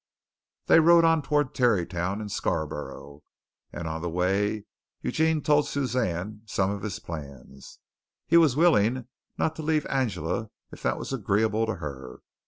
They rode on toward Tarrytown and Scarborough, and on the way Eugene told Suzanne some of his plans. He was willing not to leave Angela, if that was agreeable to her.